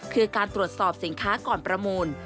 คือการตรวจสอบสินค้าก่อนประมูล